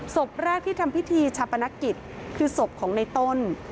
ศพแรกที่ทำพิธีชาปนกิจคือศพของในต้น